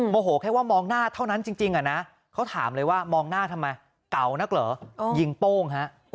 โมโหแค่ว่ามองหน้าเท่านั้นจริงเขาถามเลยว่ามองหน้าทำไมเก่านักเหรอยิงโป้งฮะ